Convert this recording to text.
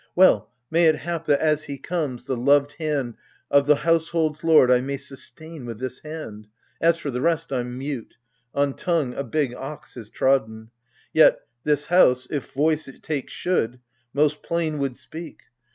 Well, may it hap that, as he comes, the loved hand O' the household's lord I may sustain with this hand ! As for the rest, I'm mute : on tongue a big ox Has trodden. Yet this House, if voice it take should. Most plain would speak.